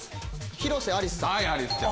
広瀬アリスさん。